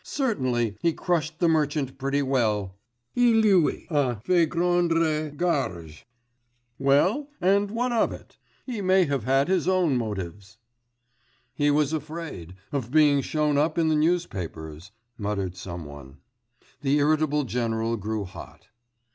Certainly, he crushed the merchant pretty well, il lui a fait rendre gorge ... well, and what of it? He may have had his own motives.' 'He was afraid ... of being shown up in the newspapers,' muttered some one. The irritable general grew hot.